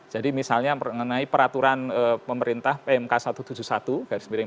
jadi misalnya mengenai peraturan pemerintah pmk satu ratus tujuh puluh satu garis miring